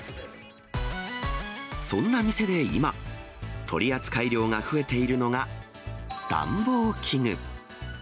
そんな店で今、取り扱い量が増えているのが、暖房器具。